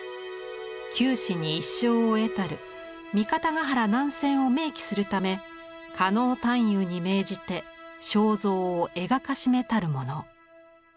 「九死に一生を得たる三方ヶ原難戦を銘記するため狩野探幽に命じて肖像を描かしめたるもの」。